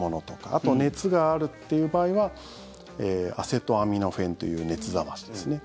あとは熱があるっていう場合はアセトアミノフェンという熱冷ましですね。